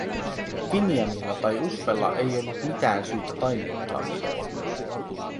Finianilla tai Uffella ei ollut mitään syytä tainnuttaa minua.